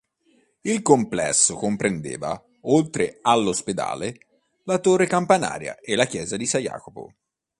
Il complesso comprendeva, oltre all'Ospedale, la torre campanaria e la chiesa di San Jacopo.